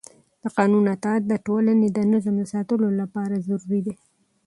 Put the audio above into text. د قانون اطاعت د ټولنې د نظم د ساتلو لپاره ضروري دی